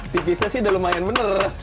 tipisnya sih udah lumayan bener